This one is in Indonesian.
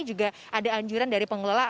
juga ada anjuran dari pengelola